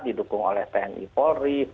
didukung oleh tni polri